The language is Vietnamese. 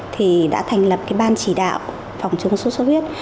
thì đã thành lập cái ban chỉ đạo phòng chống sốt xuất huyết